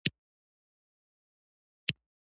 د هرمونو منشا د پخوانیو مصریانو له قبرونو څخه ده.